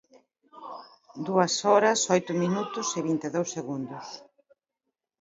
Dúas horas oito minutos e vinte e dous segundos.